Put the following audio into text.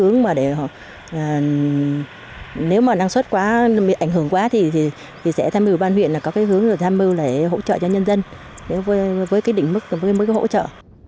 nếu năng suất ảnh hưởng quá thì sẽ tham mưu ban huyện có hướng tham mưu hỗ trợ cho nhân dân với đỉnh mức mới hỗ trợ